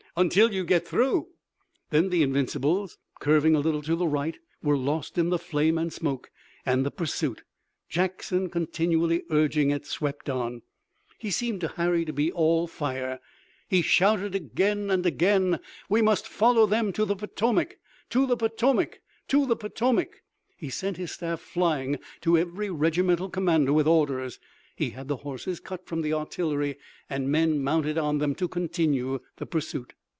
"Until you get through." Then the Invincibles, curving a little to the right, were lost in the flame and smoke, and the pursuit, Jackson continually urging it, swept on. He seemed to Harry to be all fire. He shouted again and again. "We must follow them to the Potomac! To the Potomac! To the Potomac!" He sent his staff flying to every regimental commander with orders. He had the horses cut from the artillery and men mounted on them to continue the pursuit.